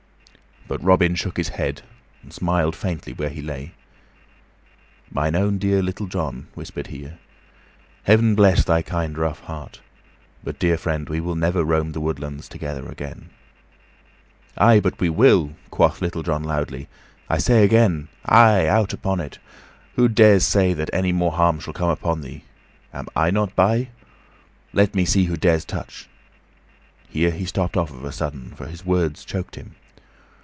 But Robin shook his head and smiled faintly where he lay. "Mine own dear Little John," whispered he, "Heaven bless thy kind, rough heart. But, dear friend, we will never roam the woodlands together again." "Ay, but we will!" quoth Little John loudly. "I say again, ay out upon it who dares say that any more harm shall come upon thee? Am I not by? Let me see who dares touch " Here he stopped of a sudden, for his words choked him.